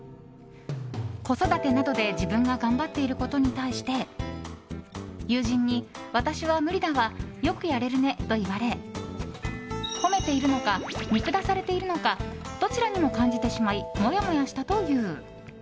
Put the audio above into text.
子育てなどで自分が頑張っていることに対して友人に、私は無理だわよくやれるねと言われ褒めているのか見下されているのかどちらにも感じてしまいモヤモヤしたという。